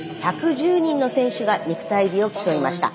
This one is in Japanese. １１０人の選手が肉体美を競いました。